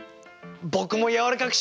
僕もやわらかくします！